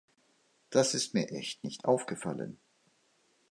Das ist mir echt nicht aufgefallen.